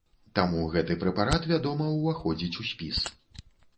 Таму гэты прэпарат, вядома, уваходзіць у спіс.